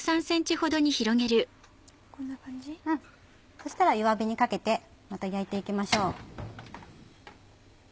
そしたら弱火にかけてまた焼いていきましょう。